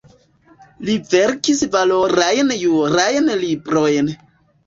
Li verkis valorajn jurajn librojn.